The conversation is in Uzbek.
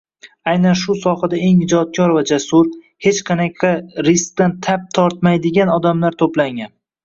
Aynan shu sohada eng ijodkor va jasur, hech qanaqa riskdan tap tortmaydigan odamlar toʻplangan.